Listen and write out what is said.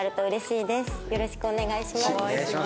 よろしくお願いします。